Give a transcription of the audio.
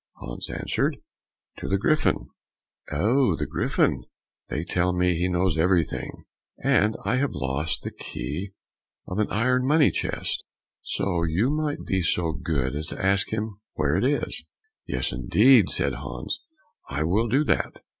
Hans answered, "To the Griffin." "Oh! to the Griffin! They tell me he knows everything, and I have lost the key of an iron money chest; so you might be so good as to ask him where it is." "Yes, indeed," said Hans, "I will do that."